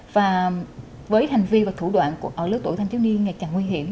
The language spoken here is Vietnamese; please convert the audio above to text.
và với hành vi và thủ đoạn ở lớp tuổi thanh thiếu niên ngày càng nguy hiểm